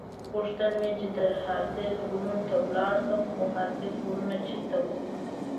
غوښتل مې چې د هارتز غرونو ته ولاړ شم، خو هارتز غرونه چېرته ول؟